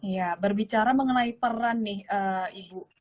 ya berbicara mengenai peran nih ibu